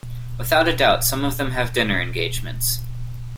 Without a doubt, some of them have dinner engagements.